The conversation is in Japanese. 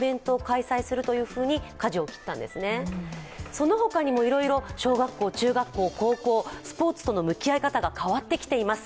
その他にもいろいろ小学校、中学校、高校、スポーツとの向き合い方が変わってきています。